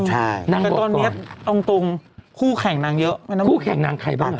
แต่ตอนนี้เอาตรงคู่แข่งนางเยอะคู่แข่งนางใครบ้าง